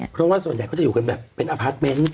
เพราะว่าส่วนใหญ่เขาจะอยู่กันแบบเป็นอพาร์ทเมนต์